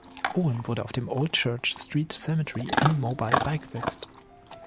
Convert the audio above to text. Owen wurde auf dem "Old Church Street Cemetery" in Mobile beigesetzt.